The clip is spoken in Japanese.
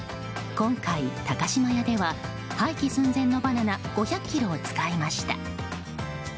今回、高島屋では廃棄寸前のバナナ５００ｋｇを使いました。